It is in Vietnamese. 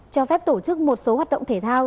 cho phép tổ chức một số hoạt động thể thao